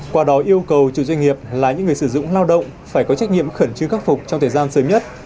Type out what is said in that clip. qua đó yêu cầu chủ doanh nghiệp là những người sử dụng lao động phải có trách nhiệm khẩn trương khắc phục trong thời gian sớm nhất